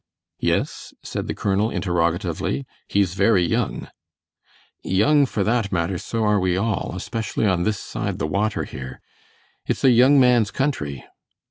"Yes?" said the colonel, interrogatively; "he's very young." "Young, for that matter so are we all, especially on this side the water here. It's a young man's country."